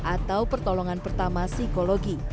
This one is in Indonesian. atau pertolongan pertama psikologi